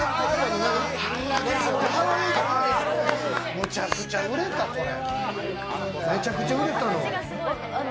むちゃくちゃ売れた、これ。